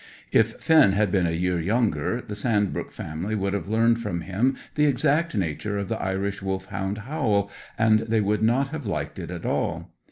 If Finn had been a year younger the Sandbrook family would have learned from him the exact nature of the Irish Wolfhound howl, and they would not have liked it at all.